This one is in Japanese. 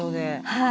はい。